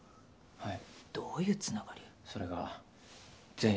はい。